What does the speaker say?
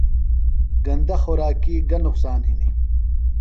گندہ خوراکی گہ نقصان ہنیۡ؟